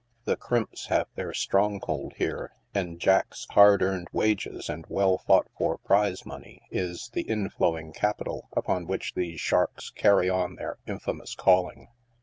The crimps have their strong hold here, and Jack's hard earned wages and well fought I'or prize money is the in flowing capital upon which these sharks carry on their infamous calling.